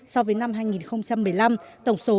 so với năm hai nghìn một mươi năm tổng số